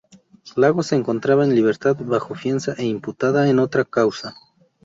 Lago se encontraba en libertad bajo fianza e imputada en otra causa.